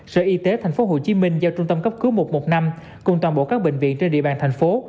sở y tế tp hcm giao trung tâm cấp cứu một trăm một mươi năm cùng toàn bộ các bệnh viện trên địa bàn thành phố